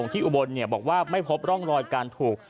ที่อุบลเนี่ยบอกว่าไม่พบร่องรอยการศพ